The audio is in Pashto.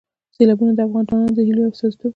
سیلابونه د افغان ځوانانو د هیلو یو استازیتوب کوي.